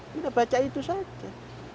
kita baca itu saja